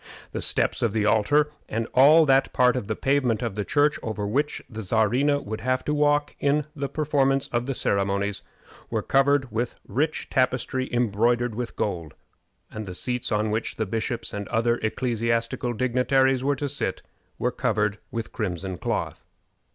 The steps of the altar, and all that part of the pavement of the church over which the Czarina would have to walk in the performance of the ceremonies, were covered with rich tapestry embroidered with gold, and the seats on which the bishops and other ecclesiastical dignitaries were to sit were covered with crimson cloth.